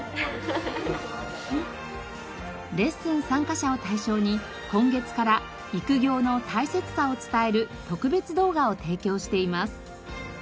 レッスン参加者を対象に今月から育業の大切さを伝える特別動画を提供しています。